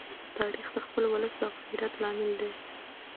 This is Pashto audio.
تاریخ د خپل ولس د غیرت لامل دی.